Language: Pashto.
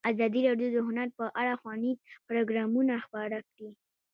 ازادي راډیو د هنر په اړه ښوونیز پروګرامونه خپاره کړي.